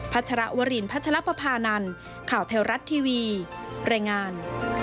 พัชรวรีนพัชรประพานันต์ข่าวเที่ยวรัฐทีวีแรงงาน